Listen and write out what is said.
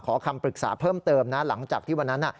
คำปรึกษาเพิ่มเติมนะหลังจากที่วันนั้น